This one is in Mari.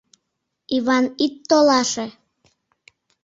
— Иван, ит толаше!..